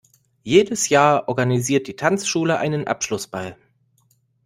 Jedes Jahr organisiert die Tanzschule einen Abschlussball.